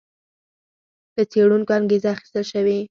له څېړونکو انګېزه اخیستل شوې.